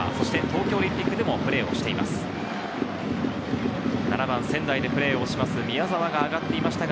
東京オリンピックでもプレーしました。